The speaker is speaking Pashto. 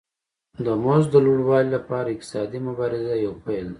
د مزد د لوړوالي لپاره اقتصادي مبارزه یو پیل دی